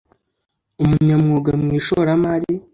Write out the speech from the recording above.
umunyamwuga mu ishoramari